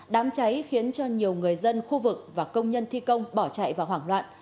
đám cháy khiến cho nhiều người dân khu vực và công nhân thi công bỏ chạy và hoảng loạn